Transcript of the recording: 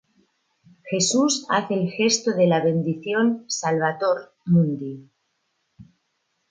Jesús hace el gesto de la bendición Salvator Mundi.